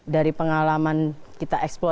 dari pengalaman kita eksplorasi